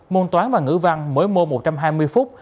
môn toán và ngữ văn mỗi môn một trăm hai mươi phút